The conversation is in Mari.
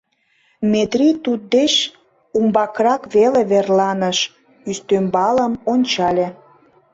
Метрий туддеч умбакрак веле верланыш, ӱстембалым ончале.